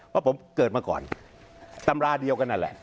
เพราะผมเกิดมาก่อนตำราเดียวกันนั่นแหละ